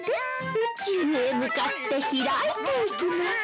宇宙へ向かって開いていきます！